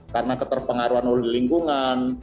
karena keterpengaruhan oleh lingkungan